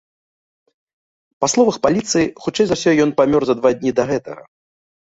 Па словах паліцыі, хутчэй за ўсё, ён памёр за два дні да гэтага.